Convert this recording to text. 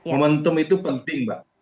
momentum itu penting mbak